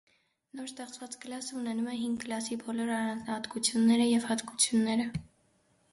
Նոր ստեղծված կլասսը ունենում է հին կլասսի բոլոր առանձնահատկությունները ու հատկությունները։